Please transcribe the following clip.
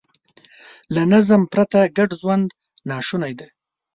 له نظم پرته ګډ ژوند ناشونی دی.